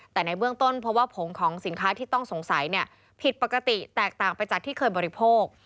แต่ในเบื้องต้นเพราะว่าผงของสินค้าที่ต้องสงสัยผิดปกติแตกต่างไปจากที่เคยบริโภค